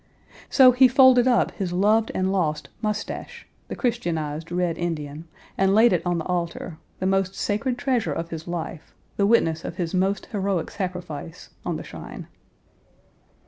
So he folded up his loved and lost mustache, the Christianized red Indian, and laid it on the altar, the most sacred treasure of his life, the witness of his most heroic sacrifice, on the shrine.